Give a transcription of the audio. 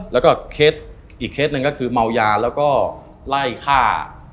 แล้วก็เคสอีกเคสหนึ่งก็คือเมายาแล้วก็ไล่ฆ่า